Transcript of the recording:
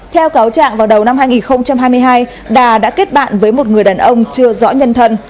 theo cáo trạng vào đầu năm hai nghìn hai mươi hai đà đã kết bạn với một người đàn ông chưa rõ nhân thân